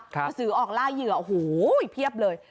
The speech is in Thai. กระสือออกล่าเหยื่อโอ้โหเพียบเลย